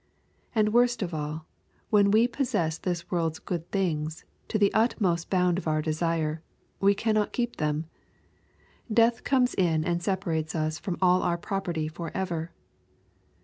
And^ worst of all, when we possess this world's good things, to the utmost bound of our desire, we cannot keep them. Death comes in and separates us from all our property forever.